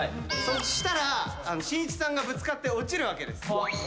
そしたらしんいちさんがぶつかって落ちるわけです。